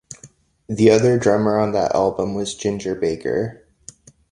The other drummer on that album was Ginger Baker.